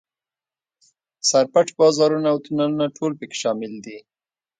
سر پټ بازارونه او تونلونه ټول په کې شامل دي.